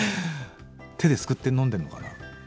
手ですくって飲んでんのかな？